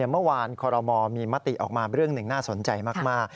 เมื่อวานคอรมอลมีมติออกมาเรื่องหนึ่งน่าสนใจมาก